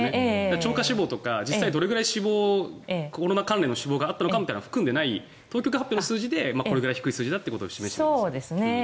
超過死亡とか実際にどれくらいのコロナ関連の死亡があったのかを含んでいない当局発表の数字でこれだけ低い数字だということを示しているんですよね？